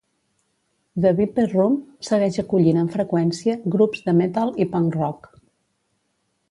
The Viper Room segueix acollint amb freqüència grups de metal i punk-rock.